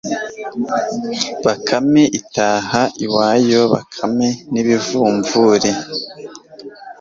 bakame itaha iwayo. bakame n'ibivumvuri